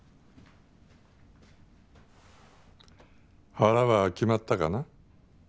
腹は決まったかな？